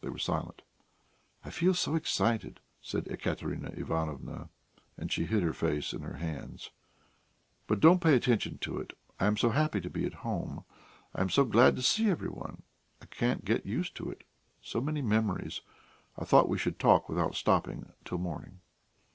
They were silent. "I feel so excited!" said Ekaterina Ivanovna, and she hid her face in her hands. "But don't pay attention to it. I am so happy to be at home; I am so glad to see every one. I can't get used to it. So many memories! I thought we should talk without stopping till morning."